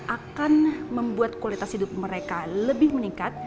akan membuat kualitas hidup mereka lebih meningkat